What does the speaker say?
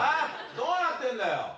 どうなってんだよ！